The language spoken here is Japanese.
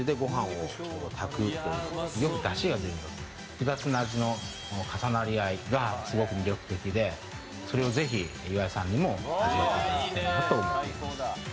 複雑な味の重なり合いがすごく魅力的でそれをぜひ岩井さんにも味わってほしいと思います。